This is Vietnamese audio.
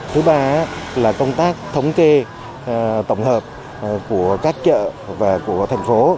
thứ ba là công tác thống kê tổng hợp của các chợ và của thành phố